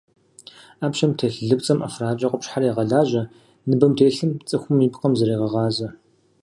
Ӏэпщэм телъ лыпцӏэм ӏэфракӏэ къупщхьэр егъэлажьэ, ныбэм телъым цӏыхум и пкъым зрегъэгъазэ.